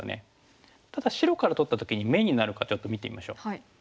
ただ白から取った時に眼になるかちょっと見てみましょう。